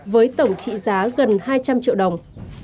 với tổng trị giá gần hai trăm linh triệu đồng